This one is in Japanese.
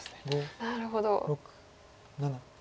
なるほど。